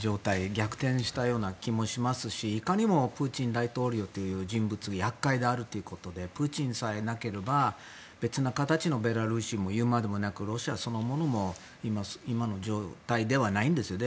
逆転したような気もしますしいかにもプーチン大統領という人物が厄介であるということでプーチンさえいなければ別の形のベラルーシも言うまでもなくロシアそのものも今の状態ではないんですよね。